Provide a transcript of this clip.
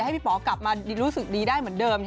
ให้พี่ป๋อกลับมารู้สึกดีได้เหมือนเดิม